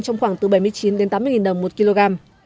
trong khoảng từ bảy mươi chín đến tám mươi đồng một kg